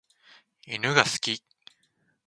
犬が好き。